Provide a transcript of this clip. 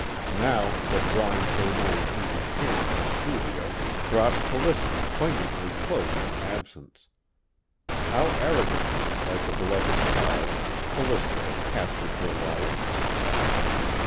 Now the drawing table and empty chair in her studio brought Callista poignantly close in absence. How arrogantly, like a beloved child, Callista had captured her life!